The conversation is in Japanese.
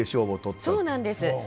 そうなんです。